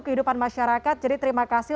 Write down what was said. kehidupan masyarakat jadi terima kasih